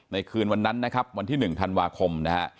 ในคืนวันนั้นวันที่๑ธันวาคม